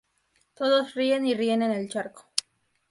Todos ríen y ríen en el charco.